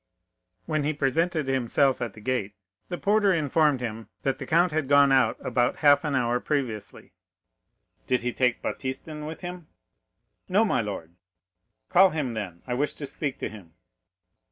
When he presented himself at the gate the porter informed him that the Count had gone out about half an hour previously. "Did he take Baptistin with him?" "No, my lord." "Call him, then; I wish to speak to him."